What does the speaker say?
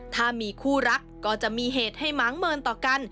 ถ้ามีคู่รักก็จะมีเหตุให้หมางเมินต่อกัน